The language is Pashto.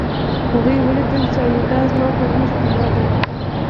هغوی ولیدل چې انیلا زما په غېږ کې مړه ده